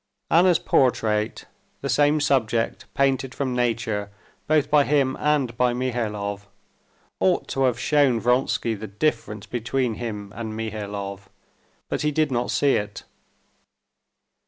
Anna's portrait—the same subject painted from nature both by him and by Mihailov—ought to have shown Vronsky the difference between him and Mihailov; but he did not see it.